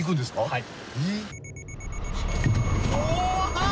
はい